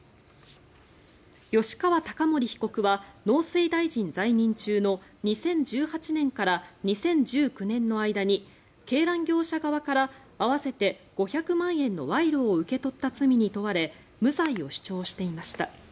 吉川貴盛被告は農水大臣在任中の２０１８年から２０１９年の間に鶏卵業者側から合わせて５００万円の賄賂を受け取った罪に問われ無罪を主張していました。